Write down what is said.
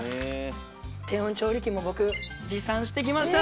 低音調理器も僕持参してきました。